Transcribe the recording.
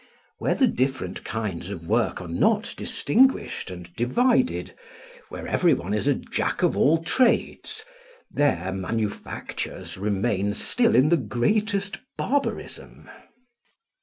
Where the different kinds of work are not distinguished and divided, where everyone is a jack of all trades, there manufactures remain still in the greatest barbarism.